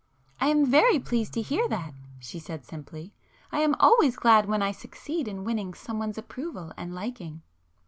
"I am very pleased to hear that,"—she said simply—"I am always glad when I succeed in winning somebody's approval and liking."